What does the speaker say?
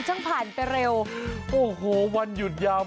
บางคนบอกโอ้โฮหยุดยาว